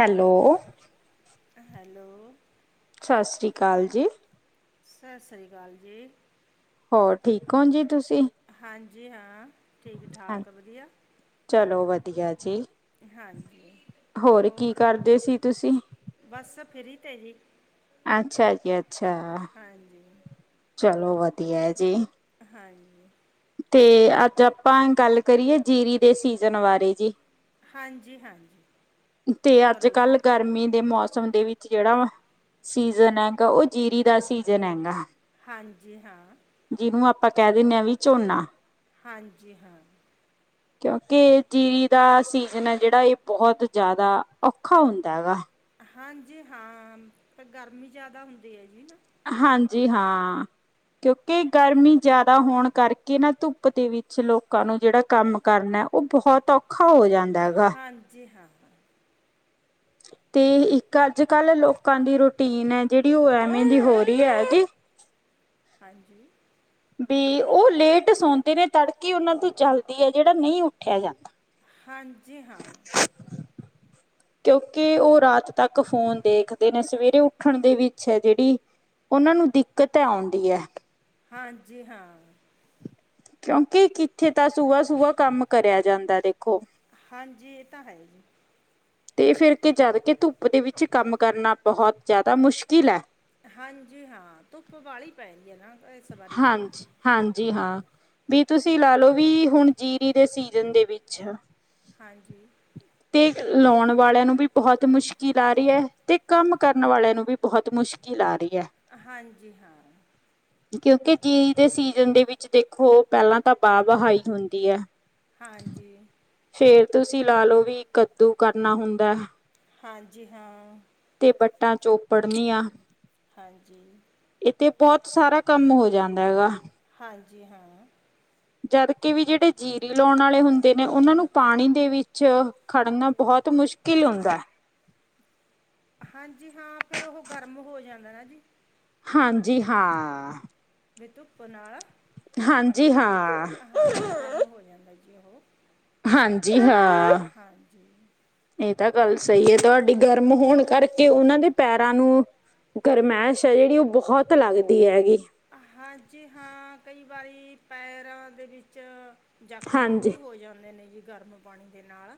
Hello. ਅ hello. ਸਸ ਸ੍ਰੀ ਕਾਲ ਜੀ। ਸਸ ਸ੍ਰੀ ਕਾਲ ਜੀ। ਹੋਰ, ਠੀਕ ਓਂ ਜੀ ਤੁਸੀ? ਹਾਂਜੀ ਹਾਂ, ਠੀਕ-ਠਾਕ, ਵਧੀਆ? ਚਲੋ ਵਧੀਆ ਜੀ! ਹਾਂਜੀ ਹੋਰ, ਕੀ ਕਰਦੇ ਸੀ ਤੁਸੀਂ? ਬਸ ਫਰੀ ਤੇ ਹੀ ਅੱਛਾ ਜੀ ਅੱਛਾ, ਹਾਂਜੀ ਚਲੋ ਵਧੀਆ ਐ ਜੀ। ਹਾਂਜੀ। ਤੇ ਅੱਜ ਆਪਾਂ ਗੱਲ ਕਰੀਏ ਜੀਰੀ ਦੇ ਸੀਜਨ ਬਾਰੇ, ਜੀ? ਹਾਂਜੀ-ਹਾਂਜੀ। ਤੇ ਅੱਜ-ਕਾਲ ਗਰਮੀ ਦੇ ਮੌਸਮ ਦੇ ਵਿੱਚ ਜਿਹੜਾ ਵਾ ਸੀਜਨ ਹੈਗਾ, ਉਹ ਜੀਰੀ ਦਾ ਸੀਜਨ ਹੈਗਾ। ਹਾਂਜੀ ਹਾਂ। ਜਿਨੂੰ ਆਪਾਂ ਕਹਿ ਦਿੰਨੇ ਆਂ ਵੀ ਝੋਨਾ। ਹਾਂਜੀ ਹਾਂ। ਕਿਉਂਕਿ ਜੀਰੀ ਦਾ ਸੀਜ਼ਨ ਐ ਜੇੜਾ, ਏ ਬੋਹਤ ਜਾਦਾ ਔਖਾ ਹੋਂਦਾ ਹੈਗਾ। ਹਾਂਜੀ ਹਾਂ, ਤੇ ਗਰਮੀ ਜਾਦਾ ਹੁੰਦੀ ਐ, ਜੀ ਨਾ? ਹਾਂਜੀ ਹਾਂ। ਕਿਉਂਕਿ ਗਰਮੀ ਜਾਦਾ ਹੋਣ ਕਰਕੇ ਨਾ, ਧੁੱਪ ਦੇ ਵਿੱਚ ਲੋਕਾਂ ਨੂੰ ਜੇੜਾ ਕੰਮ ਕਰਨਾ ਬੋਹੜ ਔਖਾ ਹੋ ਜਾਂਦਾ। ਹੈਗਾ ਹਾਂਜੀ ਹਾਂ, ਹਾਂ। ਤੇ ਇੱਕ ਅੱਜ-ਕੱਲ੍ਹ ਲੋਕਾਂ ਦੀ ਰੂਟੀਨ ਐ ਜੇੜੀ, ਓ ਐਵੇਂ ਦੀ ਹੋ ਰੀ ਐ, ਜੀ। ਹਾਂਜੀ। ਵੀ ਓ ਲੇਟ ਸੌਂਦੇ ਨੇ, ਤੜਕੇ ਓਨਾਂ ਤੋਂ ਜਲਦੀ ਏ ਜੇੜਾ, ਨਈਂ ਉੱਠਿਆ ਜਾਂਦਾ। ਹਾਂਜੀ ਹਾਂ। ਕਿਉਂਕਿ ਓ ਰਾਤ ਤੱਕ ਫੋਨ ਦੇਖਦੇ ਨੇ, ਸਵੇਰੇ ਉੱਠਣ ਦੀ ਵਿਛ ਐ ਜੇੜੀ ਉਹਨਾਂ ਨੂੰ ਦਿੱਕਤ ਆਉਂਦੀ ਐ। ਹਾਂਜੀ ਹਾਂ। ਕਿਉਂਕਿ ਕਿੱਥੇ ਤਾਂ ਸੁਬ੍ਹਾ-ਸੁਬ੍ਹਾ ਕੰਮ ਕਰਿਆ ਜਾਂਦਾ, ਦੇਖੋ! ਹਾਂਜੀ, ਇਹ ਤਾਂ ਹੈ ਜੀ! ਤੇ ਫੇਰ, ਕਿ ਜਦ ਕਿ ਧੁੱਪ ਦੇ ਵਿੱਚ ਕੰਮ ਕਰਨਾ ਬੋਹਤ ਜਾਦਾ ਮੁਸ਼ਕਿਲ ਐ। ਹਾਂਜੀ ਹਾਂ, ਧੁੱਪ ਵਾਲੀ ਪੈ ਰਈ ਐ ਨਾ ਏਸ ਵਾਰੀ, ਜੀ। ਹਾਂਜੀ, ਹਾਂਜੀ ਹਾਂ, ਵੀ ਤੁਸੀਂ ਲਾ ਲੌ ਵੀ ਹੁਣ ਜੀਰੀ ਦੇ ਸੀਜ਼ਨ ਦੇ ਵਿੱਚ ਹਾਂਜੀ। ਤੇ ਲਾਉਣ ਵਾਲਿਆਂ ਨੂੰ ਵੀ ਬੋਹੜ ਮੁਸ਼ਕਿਲ ਆ ਰੀ ਐ, ਤੇ ਕੰਮ ਕਰਨ ਵਾਲਿਆਂ ਨੂੰ ਵੀ। ਬੋਹੜ ਮੁਸ਼ਕਿਲ ਆ ਰਈ ਐ। ਹਾਂਜੀ ਹਾਂ। ਕਿਉਂਕਿ ਜਿਰੀ ਦੇ ਸੀਜ਼ਨ ਦੇ ਵਿੱਚ, ਦੇਖੋ, ਪਹਿਲਾਂ ਤਾਂ ਬਾਹ-ਵਹਾਈ ਹੁੰਦੀ ਐ। ਹਾਂਜੀ। ਫੇਰ ਤੁਸੀਂ ਲਾ ਲਓ ਵੀ ਕੱਦੂ ਕਰਨਾ ਹੁੰਦਾ ਐ। ਹਾਂਜੀ ਹਾਂ। ਤੇ ਬਟਾ ਚੋਪੜਨੀਆਂ। ਹਾਂਜੀ। ਇੱਥੇ ਬੋਹੜ ਸਾਰਾ ਕੰਮ ਹੋ ਜਾਂਦਾ ਹੈਗਾ। ਹਾਂਜੀ ਹਾਂ। ਜਦ ਕਿ ਵੀ ਜੇੜੇ ਜੀਰੀ ਲਾਉਣ ਵਾਲੇ ਹੁੰਦੇ ਨੇ, ਓਨਾਂ ਨੂੰ ਪਾਣੀ ਦੇ ਵਿੱਚ ਖੜਨਾ ਬੋਹੜ ਮੁਸ਼ਕਿਲ ਹੁੰਦਾ ਐ। ਹਾਂਜੀ ਹਾਂ ਫਿਰ ਉਹ ਗਰਮ ਹੋ ਜਾਂਦਾ ਨਾ ਜੀ। ਹਾਂਜੀ ਹਾਂ। ਵਿਤੁਪ ਪੁਨਾਾਲ [unintelligible] ਹਾਂਜੀ ਹਾਂ। ਹਾਂ ਗਰਮ ਹੋ ਜਾਂਦਾ ਜੀ ਉਹ। ਹਾਂਜੀ ਹਾਂ। ਹਾਂਜੀ। ਇਹ ਤਾਂ ਗੱਲ ਸਹੀ ਹੈ ਤੁਹਾਡੀ ਗਰਮ ਹੋਣ ਕਰਕੇ ਉਹਨਾਂ ਦੇ। ਪੈਰਾਂ ਨੂੰ ਗਰਮਾਇਸ਼ ਹੈ ਜਿਹੜੀ ਉਹ ਬਹੁਤ ਲੱਗਦੀ ਹੈਗੀ। ਹਾਂਜੀ ਹਾਂ ਕਈ ਵਾਰੀ ਪੈਰਾਂ ਦੇ ਵਿੱਚ। ਜ਼ਖਮ ਹਾਂਜੀ ਵੀ ਹੋ ਜਾਂਦੇ ਨੇ ਜੀ ਗਰਮ ਪਾਣੀ ਦੇ ਨਾਲ।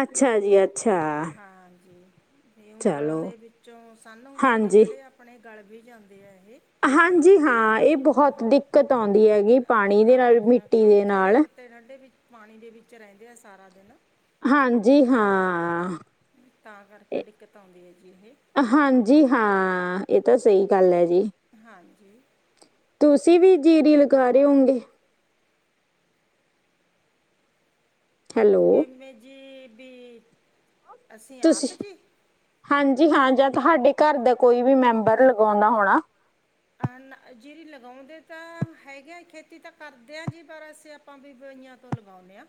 ਅੱਛਾ ਜੀ। ਅੱਛਾ ਹਾਂਜੀ ਅਤੇ ਉਂਗਲਾਂ ਚਲੋ ਦੇ ਵਿੱਚੋਂ ਸਾੰਨੂ ਹੁੰਦੇ ਨੇ ਹਾਂਜੀ ਜਿਹੜੇ। ਆਪੇ ਗਲ ਵੀ ਜਾਂਦੇ ਹੈਗੇ। ਹਾਂਜੀ ਹਾਂ ਇਹ ਬਹੁਤ ਦਿੱਕਤ ਆਉਂਦੀ ਹੈਗੀ ਪਾਣੀ ਦੇ ਨਾਲ ਮਿੱਟੀ ਦੇ ਨਾਲ। ਅਤੇ ਨੰਢੇ ਪਾਣੀ ਦੇ ਵਿੱਚ ਰਹਿੰਦੇ ਆ ਸਾਰਾ ਦਿਨ। ਹਾਂਜੀ ਹਾਂ। ਤਾਂ ਕਰਕੇ ਦਿੱਕਤ ਆਉਂਦੀ ਹੈ ਜੀ ਇਹ। ਹਾਂਜੀ ਹਾਂ ਇਹ ਤਾਂ ਸਹੀ ਗੱਲ ਹੈ ਜੀ। ਹਾਂਜੀ। ਤੁਸੀਂ ਵੀ ਜੀਰੀ ਲਗਾ ਰਹੇ ਹੋਗੇ। ਹਲੇ। [unintelligible] ਅਸੀਂ ਤੁਸੀਂ ਆਪ ਜੀ। ਹਾਂਜੀ ਹਾਂ ਜਾਂ ਤੁਹਾਡੇ ਘਰ ਦਾ ਕੋਈ ਵੀ ਮੈਂਬਰ ਲਗਾਉਂਦਾ ਹੋਣਾ। ਜੀਰੀ ਲਗਾਉਂਦੇ ਤਾਂ ਹੈਗੇ ਖੇਤੀ ਤਾਂ ਕਰਦੇ ਹਾਂ ਜੀ ਪਰ ਅਸੀਂ ਆਪ। [unintelligible] ਆਪਾਂ ਵੀਆਂ ਤੋਂ ਲਗਾਉਂਦੇ ਹਾਂ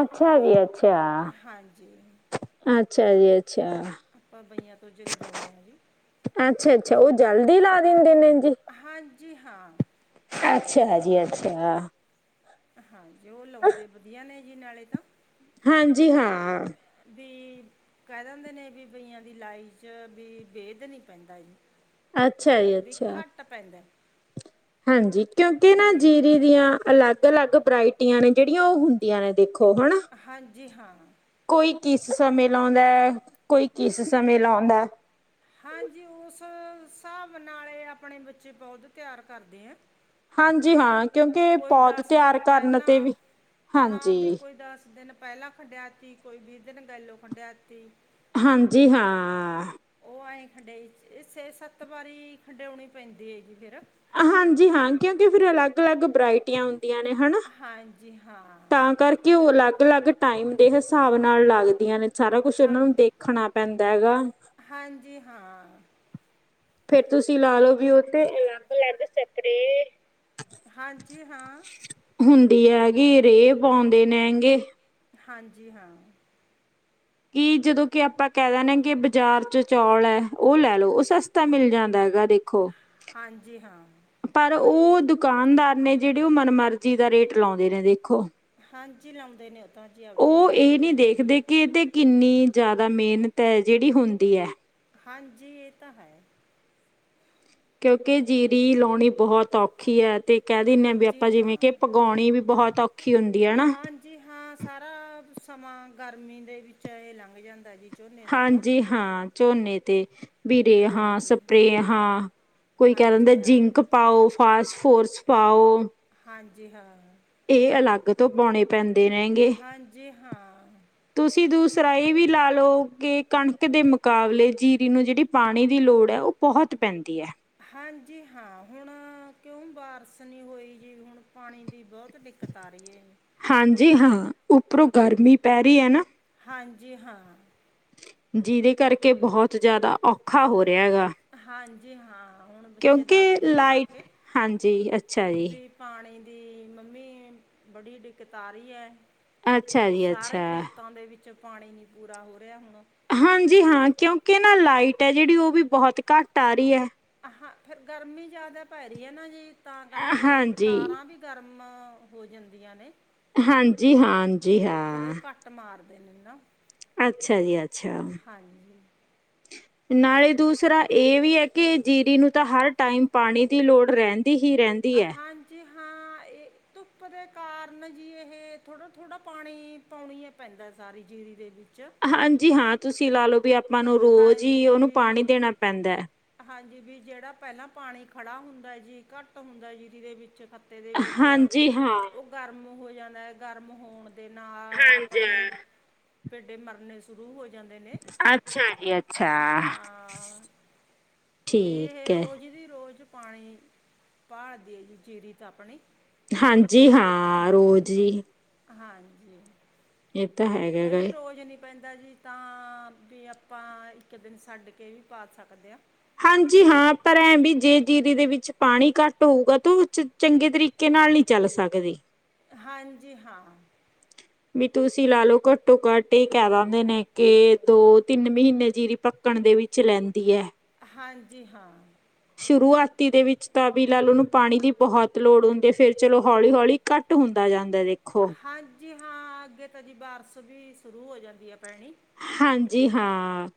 ਅੱਛਾ ਜੀ ਅੱਛਾ-ਅੱਛਾ ਜੀ ਅੱਛਾ। ਆਪਾਂ ਬਈਆਂ ਤੋਂ ਜੀ ਲਗਾਉਂਦੇ ਆ ਜੀ ਅੱਛਾ ਅੱਛਾ ਉਹ ਜਲਦੀ ਲਾ ਦਿੰਦੇ ਨੇ ਜੀ। ਹਾਂਜੀ ਹਾਂ। ਅੱਛਾ ਜੀ ਅੱਛਾ। ਹਾਂਜੀ ਉਹ ਲਾਉਂਦੇ ਵਧੀਆ ਨੇ ਜੀ ਨਾਲੇ ਤਾਂ। ਹਾਂਜੀ ਹਾਂ। ਵੀ [unintelligible] ਕਹਿ ਦਿੰਦੇ ਨੇ ਵੀ ਬਈਆਂ ਦੀ ਲਾਈ ਚ ਵੀ ਵੇਦ ਨੀ ਪੈਂਦਾ ਜੀ। ਅੱਛਾ ਜੀ ਅੱਛਾ। ੱਟ ਪੈਂਦਾ [unintelligible] ਹਾਂਜੀ ਕਿਉਂਕਿ ਨਾ ਵੀ ਜੀਰੀ ਦੀਆਂ ਅਲੱਗ-ਅਲੱਗ। ਵਰਾਇਟੀਆਂ ਨੇ ਜਿਹੜੀਆਂ ਉਹ ਹੁੰਦੀਆਂ ਨੇ ਦੇਖੋ ਹਨਾ। ਹਾਂਜੀ ਹਾਂ। ਕੋਈ ਕਿਸ ਸਮੇਂ ਲਾਉਂਦਾ ਕੋਈ ਕਿਸ ਸਮੇਂ ਲਾਉਂਦਾ। ਹਾਂਜੀ ਉਸ ਹਿਸਾਬ ਨਾਲ ਆਪਣੇ ਬੱਚੇ ਬਹੁਤ ਪਿਆਰ ਕਰਦੇ ਹੈ। ਹਾਂਜੀ ਹਾਂ। ਕਿਉਂਕਿ ਕੋਈ ਪੌਦ ਦਸ ਤਿਆਰ ਦਿਨ ਕਰਨ ਪਹਿਲਾਂ ਤੇ ਵੀ ਹਾਂ ਵੀ ਹਾਂਜੀ, ਕੋਈ ਦਸ ਦਿਨ। ਪਹਿਲਾਂ ਖੰਡਿਆਤੀ ਕੋਈ ਵੀਿ ਦਿਨ ਗਾਇਲੋ ਖੰਡਿਆਤੀ [unintelligible] ਹਾਂਜੀ ਹਾਂ। ਉਹ ਆਏਂ ਖੰਡ ਛੇ, ਸੱਤ ਵਾਰੀ ਖੰਡੇਉਣੀ ਪੈਂਦੀ ਹੈ ਜੀ ਫੇਰ ਹਾਂਜੀ ਹਾਂ ਕਿਉਂਕਿ ਫਿਰ ਅਲੱਗ ਅਲੱਗ ਬਰਾਇਟੀਆਂ ਹੁੰਦੀਆਂ ਨੇ, ਹਨਾ ਹਾਂਜੀ ਹਾਂ ਤਾਂ ਕਰਕੇ ਉਹ ਅਲੱਗ, ਅਲੱਗ ਟਾਈਮ ਦੇ ਹਿਸਾਬ ਨਾਲ ਲੱਗਦੀਆਂ ਨੇ ਸਾਰਾ ਕੁਛ ਹਾਂ ਉਹਨਾਂ ਨੂੰ ਦੇਖ ਖਣਾ ਪੈਂਦਾ ਹੈਗਾ ਹਾਂਜੀ ਹਾਂ ਫੇਰ ਤੁਸੀਂ ਲਾ ਲਓ ਵੀਓ ਤੇ ਅਲੱਗ, ਅਲੱਗ ਸਪਰੇ ਹਾਂਜੀ ਹਾਂ ਹੁੰਦੀ ਹੈਗੀ ਰੇ ਪਾਉਂਦੇ ਨੇ ਹੈਗੇ ਹਾਂਜੀ ਹਾਂ ਕਿ ਜਦੋਂ ਕਿ ਆਪਾਂ ਕਹਿ ਦਿੰਦੇ ਹਾਂ ਕਿ ਬਾਜ਼ਾਰ ਚ ਚੌਲ ਹੈ ਉਹ ਲੈ ਲੋ ਉਹ ਸਸਤਾ ਮਿਲ ਜਾਂਦਾ ਹੈਗਾ ਦੇਖੋ ਖੋ ਹਾਂਜੀ ਹਾਂ ਪਰ ਉਹ ਦੁਕਾਨਦਾਰ ਨੇ ਜਿਹੜੇ ਉਹ ਮਨ ਮਰਜ਼ੀ ਦਾ ਰੇਟ ਲਾਉਂਦੇ ਨੇ ਦੇਖੋ। ਹਾਂਜੀ ਲਾਉਂਦੇ ਨੇ ਉਥ ਉਹ ਇਹ ਨਹੀਂ ਦੇਖਦੇ ਕਿ ਇਹ ਤੇ ਕਿੰਨੀ ਜ਼ਿਆਦਾ ਮਿਹਨਤ ਹੈ ਜਿਹੜੀ ਹੁੰਦੀ ਹੈ। ਹਾਂਜੀ ਇਹ ਤਾਂ ਹੈ। ਕਿਉਂਕਿ ਜੀਰੀ ਲਾਉਣੀ ਬਹੁਤ ਔਖੀ ਹੈ ਤੇ ਕਹਿ ਦਿੰਦੇ ਹ ਵੀ ਹਾਂਜੀ ਆਪਾਂ ਜਿਵੇਂ ਹਾਂ ਕਿ ਪਕਾਉਣੀ ਵੀ ਬਹੁਤ ਔਖੀ ਹੁੰਦੀ ਹੈ ਨਾ ਹਾਂਜੀ ਹਾਂ ਸਾਰਾ ਸਮਾਂ ਗਰਮੀ ਦੇ ਵਿੱਚ ਇ ਲੰਘ ਜਾਂਦਾ ਜੀ। ਝੋਨੇ ਦਾ ਤਾਂ ਹਾਂਜੀ ਹਾਂ ਝੋਨੇ ਤੇ ਬਰੇ ਹਾਂ, ਹਾਂਜੀ ਸਪਰੇ ਹਾਂ। ਕੋਈ ਕਹਿ ਹਾਂਜੀ ਦਿੰਦਾ ਹਾਂ ਜਿੰਕ ਪਾਓ ਫਾਸਟ ਫੋਰਸ ਪਾਓ ਹਾਂਜੀ ਹਾਂ ਇਹ ਅਲੱਗ ਤੋਂ ਪਾਉਣੇ ਪੈਂਦੇ ਰਹਿਗੇ ਹਾਂਜੀ ਹਾਂ ਤੁਸੀਂ ਦੂਸਰਾਏ ਵੀ ਲਾ ਲਓ ਕਿ ਕਣਕ ਦੇ ਮੁਕਾਬਲੇ ਜੀਰੀ ਨੂੰ ਜਿਹੜੀ ਪਾਣੀ ਦੀ ਲੋੜ ਹੈ ਉਹ ਬਹੁਤ ਪੈਂਦੀ ਹੈ। ਹਾਂਜੀ ਹਾਂ ਹੁਣ ਕਿਉਂ ਬਾਰਿਸ਼ ਨਹੀਂ ਹੋਈ ਜੀ ਹੁਣ ਪਾਣੀ ਦੀ ਬਹੁਤ ਦਿੱਕਤ ਆ ਰਹੀ ਹਾਂਜੀ ਹਾਂ ਉੱਪਰੋਂ ਗਰਮੀ ਪੈ ਰਹੀ ਹੈ ਨਾ ਹਾਂਜੀ ਹਾਂ ਜਿਹਦੇ ਕਰਕੇ ਬਹੁਤ ਜ਼ਿਆਦਾ ਔਖਾ ਹੋ ਰਿਹਾ ਹੈਗਾ ਹਾਂਜੀ ਹਾਂ ਹੁਣ ਬੱਚੇ ਕਿਉਂਕਿ ਦੱਸਦੇ ਆ ਆ ਲਾਈਟ ਕੇ ਹਾਂਜੀ ਅੱਛਾ ਜੀ, ਵੀ ਪਾਣੀ ਦੀ ਮੰਮੀ ਬੜੀ ਦਿੱਕਤ ਆ ਰਹੀ ਹੈ। ਅੱਛਾ ਜੀ ਸਾਰੇ ਅੱਛਾ। ਖੇਤਾਂ ਦੇ ਵਿੱਚ ਪਾਣੀ ਨੀ ਪੂਰਾ ਹੋ ਰਿਹਾ ਹੁਣ। ਹਾਂਜੀ ਹਾਂ ਕਿਉਂਕਿ ਨਾ ਲਾਈਟ ਹੈ ਜਿਹੜੀ ਉਹ ਵੀ ਬਹੁਤ ਘੱਟ ਆ ਰਹੀ ਹੈ। ਹ ਹਾਂ ਫਿਰ ਗਰਮੀ ਜ਼ਿਆਦਾ ਪੈ ਰਹੀ ਹੈ ਨਾ ਜੀ ਤਾਂ ਕਰਕੇ ਹਾਂਜੀ, ਤਾਰਾਂ ਵੀ ਗਰਮ ਹੋ ਜਾਂਦੀਆਂ ਨੇ ਹਾਂਜੀ, ਹਾਂਜੀ, ਫਿਰ ਉਹ ਹਾਂ ਕੱਟ ਮਾਰਦੇ ਨੇ ਨਾ ਅੱਛਾ ਜੀ, ਅੱਛਾ। ਹਾਂਜੀ ਨਾਲੇ ਦੂਸਰਾ ਇਹ ਵੀ ਹੈ ਕਿ ਜੀਰੀ ਨੂੰ ਤਾਂ ਹਰ ਟਾਈਮ ਪਾਣੀ ਦੀ ਲੋੜ ਰਹਿਣ ਹੀ ਰਹਿੰਦੀ ਹੈ। ਅਹਾਂ ਜੀ ਹਾਂ ਇਹ ਧੁੱਪ ਦੇ ਕਾਰਨ ਜੀ ਇਹ ਥੋੜ੍ਹਾ, ਥੋੜ੍ਹਾ ਪਾਣੀ ਪਾਉਣੀ ਐ ਪੈਂਦਾ ਸਾਰੀ ਜੀਰੀ ਦੇ ਵਿੱਚ ਹਾਂਜੀ ਹਾਂ ਤੁਸੀਂ ਲਾ ਲਓ ਵੀ ਆਪਾਂ ਨੂੰ ਰੋਜ਼ ਈ ਹਾਂਜੀ ਉਹਨੂੰ ਪਾਣੀ ਵੀ ਦੇਣਾ ਪੈਂਦਾ। ਹਾਂਜੀ ਵੀ ਜਿਹੜਾ ਪਹਿਲਾਂ ਪਾਣੀ ਖੜਾ ਹੁੰਦਾ ਜੀ ਘੱਟ ਹੁੰਦਾ ਜੀ ਜਿਰੇ ਦੇ ਵਿੱਚ ਤੇ ਦੇ ਵਿੱਚ ਹਾਂਜੀ ਹਾਂ, ਉਹ ਗਰਮ ਹੋ ਜਾਂਦਾ ਐ ਗਰਮ ਹੋਣ ਦੇ ਨਾਲ ਹਾਂਜੀ ਆਪਣੇ ਫੇਡੇ ਮਰਨੇ ਸ਼ੁਰੂ ਹੋ ਜਾਂਦੇ ਨੇ। ਅੱਛਾ ਜੀ, ਅੱਛਾ। ਹਾਂ ਵੀ ਇਹ ਠੀਕ ਹੈ। ਰੋਜ਼ ਦੀ ਰੋਜ਼ ਪਾਣੀ ਭਾਲਦੀ ਐ ਜੀ ਜੀਰੀ ਤਾਂ ਆਪਣੀ। ਹਾਂਜੀ, ਹਾਂ ਰੋਜ਼ ਜੀ। ਹਾਂਜੀ। ਇਹ ਤਾਂ ਹੈ। ਕਿਓ ਜੇ ਰੋਜ਼ ਨੀ ਪੈਂਦਾ ਜੀ ਤਾਂ ਵੀ ਆਪਾਂ ਇੱਕ ਦਿਨ ਛੱਡ ਕੇ ਵੀ ਪਾ ਸਕਦੇ ਆ। ਹਾਂਜੀ ਹਾਂ, ਪਰ ਐਂ ਵੀ ਜੇ ਜੀਰੀ ਦੇ ਵਿੱਚ ਪਾਣੀ ਘੱਟ ਹੋਊਗਾ ਤਾਂ ਉਹ ਚ ਚੰਗੇ ਤਰੀਕੇ ਨਾਲ ਨੀ ਚੱਲ ਸਕਦੇ। ਹਾਂਜੀ, ਹਾਂ। ਵੀ ਤੁਸੀਂ ਲਾਲੋ ਘੱਟੋ ਘੱਟ ਇਹ ਕਹਿ ਦਿੰਦੇ ਨੇ ਕਿ ਦੋ ਤਿੰਨ ਮਹੀਨੇ ਜਿਰੀ ਪ ਪਕਣ ਦੇ ਵਿੱਚ ਲੈਂਦੀ ਐ। ਹਾਂਜੀ, ਹਾਂ। ਸ਼ੁਰੂਆਤੀ ਦੇ ਵਿੱਚ ਤਾਂ ਵੀ ਲਾ ਲੋ ਉਨੂੰ ਪਾਣੀ ਦੀ ਬਹੁਤ ਲੋੜ ਹੁੰਦੀ ਐ, ਫੇਰ ਚਲੋ ਹੌਲੀ-ਹੌਲੀ ਘੱਟ ਹੁੰਦਾ ਜਾਂਦਾ ਦੇਖੋ। ਹਾਂਜੀ ਹਾਂ, ਅੱਗੇ ਤਾਂ ਜੀ ਬਾਰਸ ਵੀ ਸ਼ੁਰੂ ਹੋ ਜਾਂਦੀ ਐ ਪੈਣੀ। ਹਾਂਜੀ ਹਾਂ,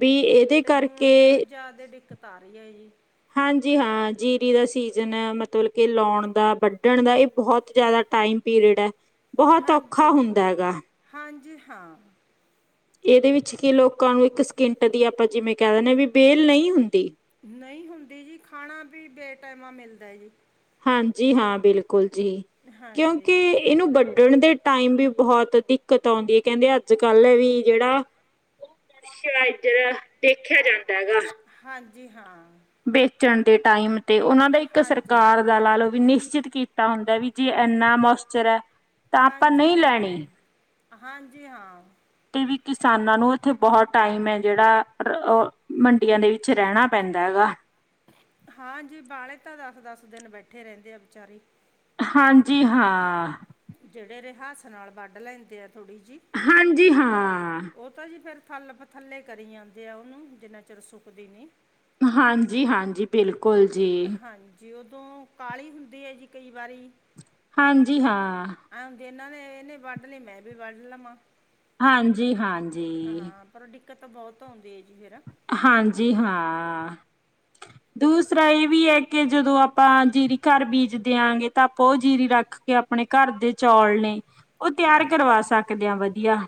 ਵੀ ਇਹ ਤੇ ਹੁਣ ਜਿਆਦਾ ਦਿੱਕਤ ਆ ਰੀ ਐ ਜੀ। ਹਾਂਜੀ ਹਾਂ, ਜੀਰੀ ਦਾ ਸੀਜ਼ਨ ਐ ਮਤਲਬ ਕਿ ਲਾਉਣ ਦਾ, ਵਢਣ ਦਾ ਇਹ ਬਹੁਤ ਜ਼ਿਆਦਾ ਟਾਈਮ ਪੀਰੀਅਡ ਐ। ਹਾਂਜੀ, ਹਾਂਜੀ ਹਾਂ। ਇਹਦੇ ਵਿੱਚ ਕੀ ਲੋਕਾਂ ਨੂੰ ਇੱਕ ਸਕਿੰਟ ਦੀ ਆਪਾਂ ਜਿਵੇਂ ਕਹਿ ਦਿੰਨੇ ਆ ਵੀ ਬੇਲ ਨਈ ਹੁੰਦੀ। ਨਹੀਂ ਹੁੰਦੀ ਜੀ ਖਾਣਾ ਵੀ ਬੇ ਟੈਮਾ ਮਿਲਦਾ ਜੀ। ਹਾਂਜੀ ਹਾਂ, ਬਿਲਕੁਲ ਜੀ ਹਾਂਜੀ ਕਿਉਂਕਿ ਇਹਨੂੰ ਵਢਣ ਦੇ ਟਾਈਮ ਵੀ ਬਹੁਤ ਦਿੱਕਤ ਆਉਂਦੀ ਐ, ਕਹਿੰਦੇ ਅੱਜ ਕੱਲ੍ਹ ਵੀ ਜਿਹੜਾ [inaudible] [unintelligible] ਇੱਧਰ ਦੇਖਿਆ ਜਾਂਦਾ ਹੈਗਾ। ਹਾਂਜੀ, ਹਾਂ। ਬੇਚਣ ਦੇ ਟਾਈਮ ਤੇ, ਉਹਨਾਂ ਦਾ ਇੱਕ ਹਾਂਜੀ ਸਰਕਾਰ ਹਾਂ ਦਾ ਲਾ ਲਓ ਵੀ ਨਿਸ਼ਚਿਤ ਕੀ ਤਾ ਹੁੰਦਾ ਵੀ ਜੇ ਇੰਨਾ ਮੋਸਚਰ ਐ, ਤਾਂ ਆਪਾਂ ਹਾਂਜੀ ਨਈ ਹਾਂ ਲੈਣੀ। ਹਾਂਜੀ, ਹਾਂ। ਤੇ ਵੀ ਕਿਸਾਨਾਂ ਨੂੰ ਉੱਥੇ ਬਹੁਤ ਟਾਈਮ ਐ ਜਿਹੜਾ, ਅ ਮੰਡੀਆਂ ਦੇ ਵਿੱਚ ਰਹਿਣਾ ਪੈਂਦਾ ਐ ਗਾ। ਹਾਂਜੀ ਬਾਲੇ ਤਾਂ ਦਸ-ਦਸ ਦਿਨ ਬੈਠੇ ਰਹਿੰਦੇ ਆ ਵਿਚਾਰੇ। ਹਾਂਜੀ, ਹਾਂ। ਜਿਹੜੇ ਰਿਹਾਸ ਨਾਲ ਵੱਢ ਲੈਂਦੇ ਆ ਥੋੜ੍ਹੀ ਜੀ, ਹਾਂਜੀ, ਹਾਂ। ਉਹ ਤਾਂ ਜੀ ਫੇਰ ਥੱਲ ਪਥੱਲੇ ਕਰੀ ਜਾਦੇ ਆ ਉਹਨੂੰ, ਜਿੰਨਾ ਚਿਰ ਸੁੱਕਦੀ ਨੀ। ਹਾਂਜੀ, ਹਾਂਜੀ ਬਿਲਕੁਲ ਜੀ। ਜੀ ਉਦੋਂ ਕਾਹਲੀ ਹੁੰਦੀ ਐ ਜੀ ਕਈ ਵਾਰੀ ਹਾਂਜੀ ਹਾਂ। ਆ ਜੇ ਇਹਨਾਂ ਨੇ, ਇਹਨੇ ਵੱਢ ਲਏ, ਮੈਂ ਵੀ ਵੱਢ ਲਵਾਂ। ਹਾਂਜੀ-ਹਾਂਜੀ। ਹਾਂ ਪਰ ਡਿੱਕਤ ਤਾਂ ਬਹੁਤ ਆਉਂਦੀ ਐ ਜੀ ਫੇਰ। ਹਾਂਜੀ ਹਾਂ। [inaudible] ਦੂਸਰਾ ਇਹ ਵੀ ਐ ਕਿ ਜਦੋਂ ਆਪਾਂ ਜੀਰੀ ਘਰ ਬੀਜ ਦਿਆਂਗੇ, ਤਾਂ ਆਪਾਂ ਉਹ ਜੀਰੀ ਰੱਖ ਕਿ ਆਪਣੇ ਘਰ ਦੇ ਚੌਲ ਨੇ, ਓ ਤਿਆਰ ਹਾਂਜੀ ਕਰਵਾ ਸਕਦੇ ਆ ਵਧੀਆ।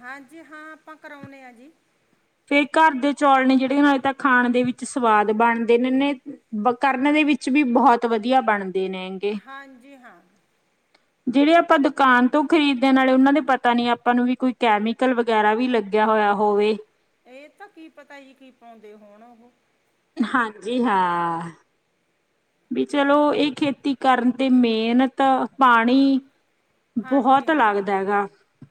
ਹਾਂਜੀ ਹਾਂ, ਆਪਾਂ ਕਰਾਉਂਨੇ ਆ ਜੀ। ਫੇਰ ਘਰ ਦੇ ਚੌਲ ਨੇ ਜਿਹੜੇ ਨਾਲੇ ਤਾਂ ਖਾਣ ਦੇ ਵਿੱਚ ਸਵਾਦ ਬਣਦੇ ਨੇ ਕਰਨ ਦੇ ਵਿੱਚ ਵੀ ਬਹੁਤ ਵਧੀਆ ਬਣਦੇ ਨੇ। ਹਾਂਜੀ ਹਾਂ। ਜਿਹੜੇ ਆਪਾਂ ਦੁਕਾਨ ਤੋਂ ਖਰੀਦ ਦੇ ਆ, ਉਹਨਾਂ ਦੇ ਪਤਾ ਨੀ ਆਪਾਂ ਨੂੰ ਵੀ ਕੋਈ ਕੈਮੀਕਲ ਵਗੈਰਾ ਵੀ ਲੱਗਿਆ ਹੋਇਆ ਹੋਵੇ। ਇਹ ਤਾਂ ਕੀ ਪਤਾ ਜੀ ਕੀ ਪਾਉਂਦੇ ਹੋਣ ਉਹ? ਹਾਂਜੀ ਹਾਂ। ਵੀ ਚਲੋ ਇਹ ਖੇਤੀ ਕਰਨ ਤੇ ਮਿਹਨਤ, ਪਾਣੀ ਹਾਂਜੀ ਬਹੁਤ ਹਾਂ ਲੱਗਦਾ ਐ ਗੈ,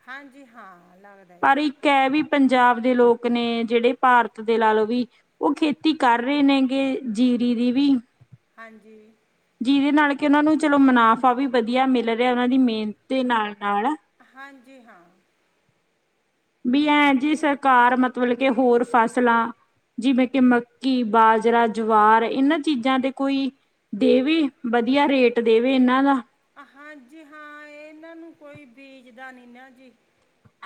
ਹਾਂਜੀ ਹਾਂ ਲੱਗਦਾ ਜੀ ਪਰ ਇੱਕ ਕਹਿ ਵੀ ਪੰਜਾਬ ਦੇ ਲੋਕ ਨੇ ਜਿਹੜੇ ਭਾਰਤ ਦੇ ਲਾ ਲਓ ਵੀ ਉਹ ਖੇਤੀ ਕਰ ਰਹੇ ਨੇ ਗੇ ਜੀਰੀ ਦੀ ਵੀ ਹਾਂਜੀ। ਜਿਹਦੇ ਨਾਲ ਕਿ ਉਹਨਾਂ ਨੂੰ ਚਲੋ ਮੁਨਾਫ਼ਾ ਵੀ ਵਧੀਆ ਮਿਲ ਰਿਹਾ, ਉਹਨਾਂ ਦੀ ਮਿਹਨਤ ਦੇ ਨਾਲ-ਨਾਲ। ਹਾਂਜੀ ਹਾਂ। ਵੀ ਐਂ ਜੀ ਸਰਕਾਰ ਮਤਲਬ ਕੇ ਹੋਰ ਫਸਲਾਂ ਜਿਵੇਂ ਕਿ ਮੱਕੀ, ਬਾਜਰਾ, ਜਵਾਰ ਇਹਨਾਂ ਚੀਜ਼ਾਂ ਤੇ ਕੋਈ ਦੇਵੇ, ਵਧੀਆ ਰੇਟ ਦੇਵੇ ਇਹਨਾਂ ਦਾ ਹਾਂਜੀ ਹਾਂ, ਇਹਨਾਂ ਨੂੰ ਕੋਈ ਬੀਜਦਾ ਨੀ ਨਾ ਜੀ।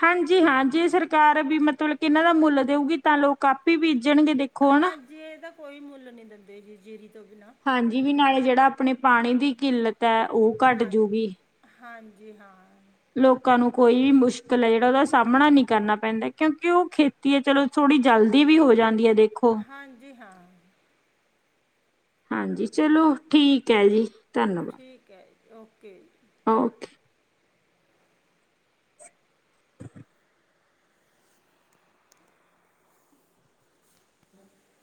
ਹਾਂਜੀ ਹਾਂ, ਜੇ ਸਰਕਾਰ ਵੀ ਮਤਲਬ ਕਿ ਇਹਨਾਂ ਦਾ ਮੁੱਲ ਦੇਊਗੀ ਤਾਂ ਲੋਕ ਆਪੀ ਬੀਜਣਗੇ ਦੇਖੋ ਹਨਾ ਹਾਂਜੀ, ਇਹਦਾ ਕੋਈ ਮੁੱਲ ਨੀ ਦਿੰਦੇ ਜੀ ਜੇਰੀ ਤੋਂ ਬਿਨਾਂ ਹਾਂਜੀ ਵੀ ਨਾਲੇ ਜਿਹੜਾ ਆਪਣੇ ਪਾਣੀ ਦੀ ਕਿੱਲਤ ਐ ਓ ਹਾਂ, ਹਾਂਜੀ ਹਾਂ। ਲੋਕਾਂ ਨੂੰ ਕੋਈ ਵੀ ਮੁਸ਼ਕਿਲ ਐ, ਜਿਹੜਾ ਉਹਦਾ ਸਾਹਮਣਾ ਨੀ ਕਰਨਾ ਪੈਂਦਾ ਕਿਉਂਕਿ ਉਹ ਖੇਤੀ ਤੀ ਐ ਚਲੋ ਥੋੜੀ ਜਲਦੀ ਵੀ ਹੋ ਜਾਂਦੀ ਐ ਦੇਖੋ ਹਾਂਜੀ ਹਾਂ। ਹਾਂਜੀ, ਚਲੋ ਠੀਕ ਐ ਜੀ, ਧੰਨਵਾਦ। ਠੀਕ ਐ ਜੀ। ਓਕੇ ਜੀ। ਓਕੇ। [inaudible] [unintelligible]